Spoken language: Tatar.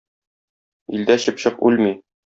Илдә чыпчык үлми.